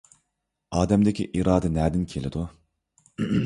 ئادەمدىكى ئىرادە نەدىن كېلىدۇ؟